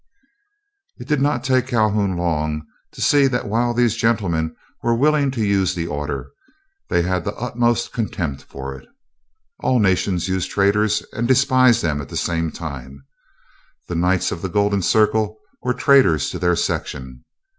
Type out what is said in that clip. It did not take Calhoun long to see that while these gentlemen were willing to use the order, they had the utmost contempt for it. All nations use traitors and despise them at the same time. The Knights of the Golden Circle were traitors to their section.